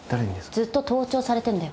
ずっと盗聴されてんだよ。